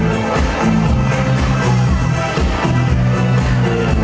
ไม่ต้องถามไม่ต้องถาม